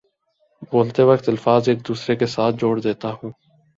بولتے وقت الفاظ ایک دوسرے کے ساتھ جوڑ دیتا ہوں